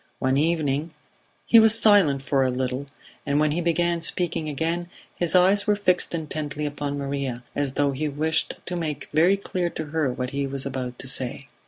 One evening He was silent for a little, and when he began speaking again his eyes were fixed intently upon Maria, as though he wished to make very clear to her what he was about to say.